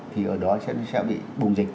thì ở đó sẽ bị bùng dịch